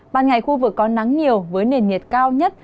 ban ngày khu vực có nắng nhiều với nền nhiệt cao nhất